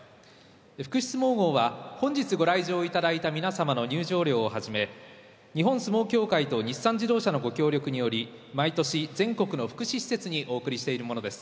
福祉相撲号は本日ご来場頂いた皆様の入場料をはじめ日本相撲協会と日産自動車のご協力により毎年全国の福祉施設にお贈りしているものです。